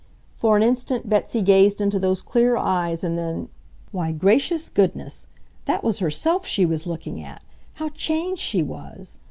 For an instant Betsy gazed into those clear eyes and then ... why, gracious goodness! That was herself she was looking at! How changed she was!